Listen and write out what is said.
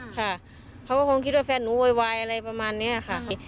ค่ะเขาก็คงคิดว่าแฟนหนูโวยวายอะไรประมาณนี้ค่ะ